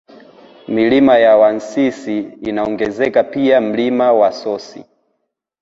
Milima ya Wansisi inaongezeka pia Mlima Wasosi